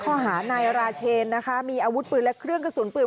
ข้อหานายราเชนนะคะมีอาวุธปืนและเครื่องกระสุนปืน